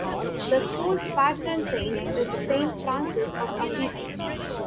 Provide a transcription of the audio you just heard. The school's patron saint is Saint Francis of Assisi.